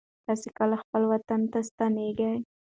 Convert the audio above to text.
تاسې کله خپل وطن ته ستنېږئ؟